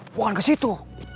bukan ke situ